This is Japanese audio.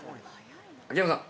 ◆秋山さん！